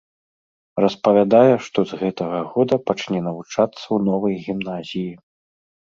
Распавядае, што з гэтага года пачне навучацца ў новай гімназіі.